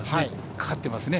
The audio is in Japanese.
かかってますね。